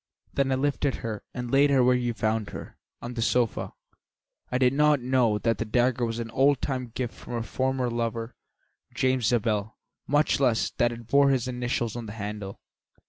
Then I lifted her and laid her where you found her, on the sofa. I did not know that the dagger was an old time gift of her former lover, James Zabel, much less that it bore his initials on the handle."